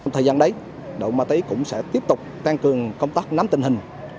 thời gian đấy đội ma túy cũng sẽ tiếp tục tăng cường công tác nắm tình hình